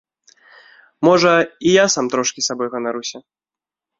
Можа, і я сам трошкі сабой ганаруся.